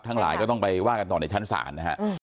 หลายก็ต้องไปว่ากันต่อในชั้นศาลนะฮะ